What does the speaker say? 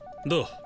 どう？